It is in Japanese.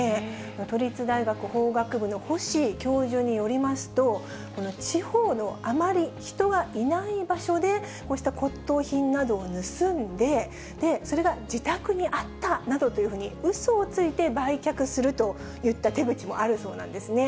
都立大学法学部の星教授によりますと、この地方のあまり人がいない場所で、こうした骨とう品などを盗んで、それが自宅にあったなどというふうに、うそをついて売却するといった手口もあるそうなんですね。